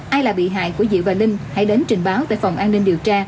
ai là bị hại của diệu và linh hãy đến trình báo tại phòng an ninh điều tra